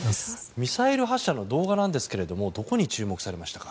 ミサイル発射の動画なんですがどこに注目されましたか。